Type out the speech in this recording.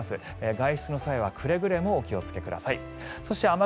外出の際はくれぐれもお気をつけください。